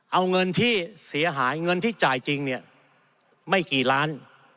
เอาเงินที่เสียหายเงินที่จ่ายจริงเนี่ยไม่กี่ล้าน